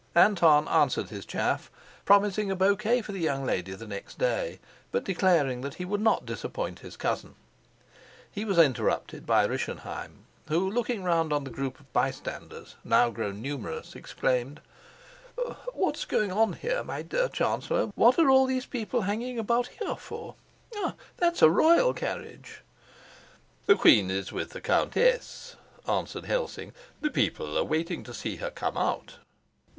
Anton answered his chaff, promising a bouquet for the young lady the next day, but declaring that he could not disappoint his cousin. He was interrupted by Rischenheim, who, looking round on the group of bystanders, now grown numerous, exclaimed: "What's going on here, my dear chancellor? What are all these people hanging about here for? Ah, that's a royal carriage!" "The queen's with the countess," answered Helsing. "The people are waiting to see her come out."